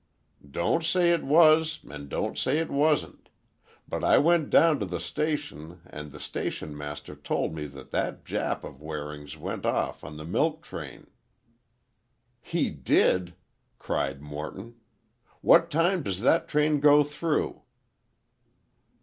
"Don't say it was, and don't say it wasn't. But I went down to the station and the station master told me that that Jap of Waring's went off on the milk train." "He did!" cried Morton, "what time does that train go through?"